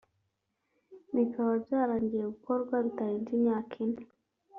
nikaba byarangiye gukorwa bitarenze imyaka ine